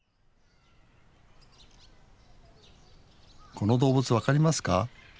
この動物分かりますか？